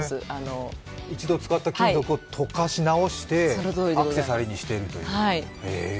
一度使った金属を溶かし直してアクセサリーにしているという。